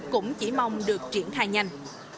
cũng chỉ mong được triển khai nhanh